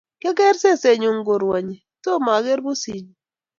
Kyageer sesenyu korwonyi, Tomo agere pusinyu